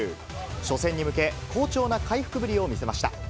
初戦に向け、好調な回復ぶりを見せました。